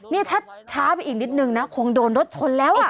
นี่ถ้าช้าไปอีกนิดนึงนะคงโดนรถชนแล้ว